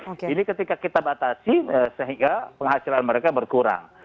oke jadi ketika kita batasi sehingga penghasilan mereka berkurang